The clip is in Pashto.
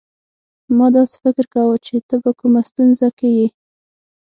ما داسي فکر کاوه چي ته په کومه ستونزه کې يې.